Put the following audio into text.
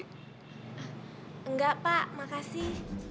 enggak pak makasih